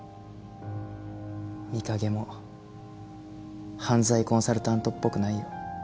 美影も犯罪コンサルタントっぽくないよ。